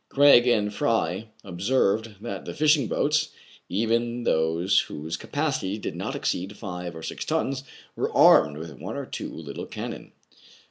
Craig and Fry observed that the fishing boats, even those whose capacity did not exceed five or six tons, were armed with one or two little cannon.